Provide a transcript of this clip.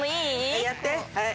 はいやってはい。